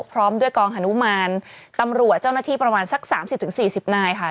พร้อมด้วยกองฮานุมานตำรวจเจ้าหน้าที่ประมาณสัก๓๐๔๐นายค่ะ